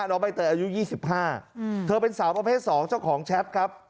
น้องใบเตยอายุยี่สิบห้าเธอเป็นสาวประเภทสองเจ้าของแชทครับ